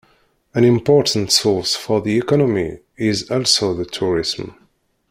An important source for the economy is also the tourism.